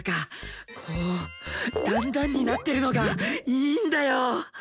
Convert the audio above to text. こう段々になってるのがいいんだよ！